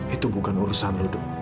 itu bukan urusan lu dok